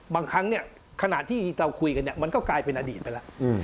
บางครั้งเนี่ยขณะที่เราคุยกันเนี่ยมันก็กลายเป็นอดีตไปแล้ว